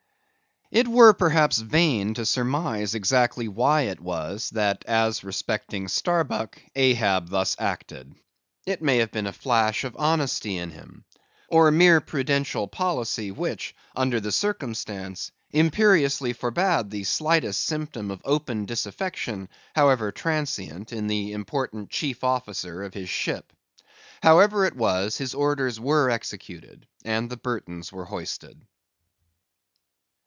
It were perhaps vain to surmise exactly why it was, that as respecting Starbuck, Ahab thus acted. It may have been a flash of honesty in him; or mere prudential policy which, under the circumstance, imperiously forbade the slightest symptom of open disaffection, however transient, in the important chief officer of his ship. However it was, his orders were executed; and the Burtons were hoisted.